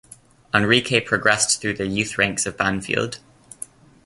Enrique progressed through the youth ranks of Banfield.